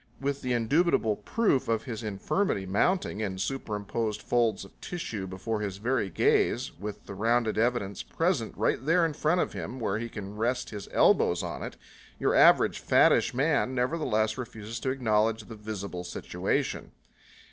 With the indubitable proof of his infirmity mounting in superimposed folds of tissues before his very gaze, with the rounded evidence presented right there in front of him where he can rest his elbows on it, your average fattish man nevertheless refuses to acknowledge the visible situation.